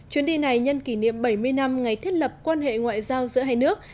chuyến đi này nhân kỷ niệm bảy mươi năm ngày thiết lập quan hệ ngoại giao giữa hai nước